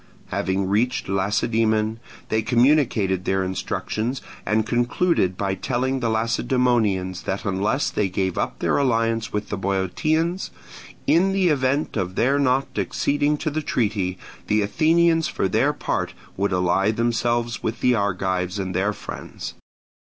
Having reached Lacedaemon, they communicated their instructions, and concluded by telling the Lacedaemonians that unless they gave up their alliance with the Boeotians, in the event of their not acceding to the treaty, the Athenians for their part would ally themselves with the Argives and their friends.